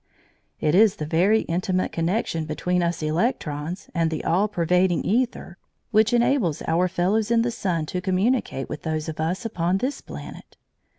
It is the very intimate connection between us electrons and the all pervading æther which enables our fellows in the sun to communicate with those of us upon this planet.